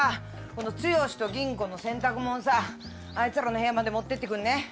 この剛と吟子の洗濯もんさあいつらの部屋まで持ってってくんねえ？